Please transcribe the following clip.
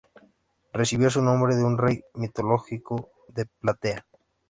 Recibió su nombre de un rey mitológico de Platea.